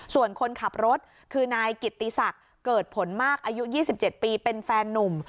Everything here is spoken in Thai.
ส่วนคนขับรถคือนายกิตติศักดิ์เกิดผลมากอายุ๒๗ปีเป็นแฟนนุ่ม